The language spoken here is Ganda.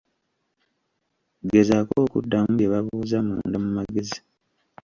Gezaako okuddamu bye babuuza munda mu magezi.